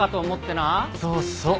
そうそう。